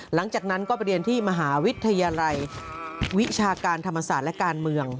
หลังจากนั้นก็ไปเรียนที่มหาวิทยาลัยวิชาการธรรมศาสตร์และการเมือง